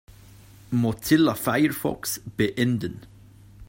Mozilla Firefox beenden.